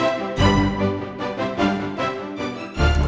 habis ini buat wulan